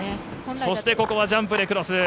そしてここはジャンプでクロス。